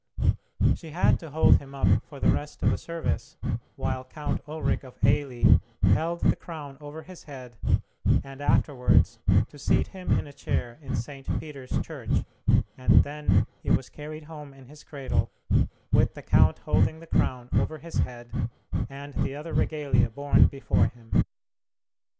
She had to hold him up for the rest of the service, while Count Ulric of Eily held the crown over his head, and afterwards to seat him in a chair in St. Peter's Church, and then he was carried home in his cradle, with the count holding the crown over his head, and the other regalia borne before him.